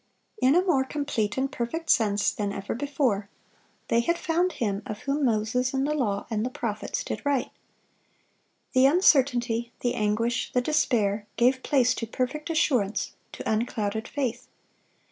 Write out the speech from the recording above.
(581) In a more complete and perfect sense than ever before, they had "found Him, of whom Moses in the law, and the prophets, did write." The uncertainty, the anguish, the despair, gave place to perfect assurance, to unclouded faith.